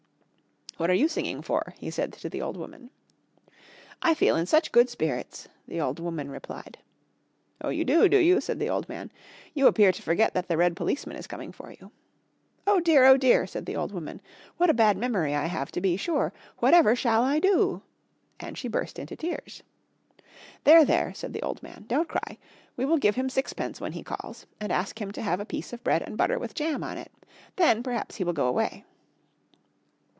"What are you singing for?" he said to the old woman. "I feel in such good spirits," the old woman replied. "Oh, you do, do you?" said the old man. "You appear to forget that the red policeman is coming for you." "Oh dear, oh dear," said the old woman. "What a bad memory I have to be sure. Whatever shall I do?" And she burst into tears. "There, there," said the old man, "don't cry. We will give him sixpence when he calls, and ask him to have a piece of bread and butter with jam on it. Then perhaps he will go away."